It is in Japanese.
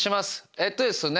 えっとですね